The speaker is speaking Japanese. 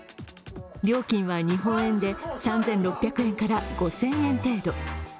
料金は日本円で３６００円から５０００円程度。